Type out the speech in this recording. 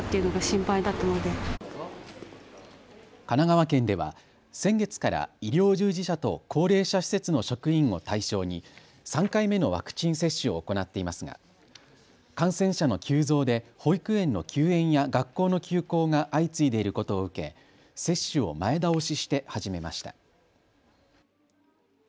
神奈川県では先月から医療従事者と高齢者施設の職員を対象に３回目のワクチン接種を行っていますが感染者の急増で保育園の休園や学校の休校が相次いでいることを受け接種を前倒しして始めました。